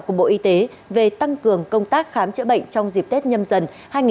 của bộ y tế về tăng cường công tác khám chữa bệnh trong dịp tết nhâm dần hai nghìn hai mươi